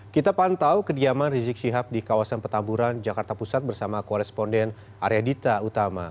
kita pantau kediaman rizik syihab di kawasan petamburan jakarta pusat bersama koresponden arya dita utama